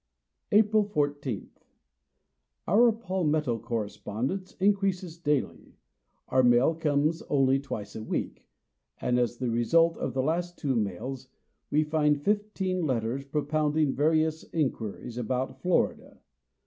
April 14. Our Palmetto correspondence increases daily. Our mail comes only twice a week; and, as the result of the two last mails, we find fifteen letters, propounding various inquiries about Florida.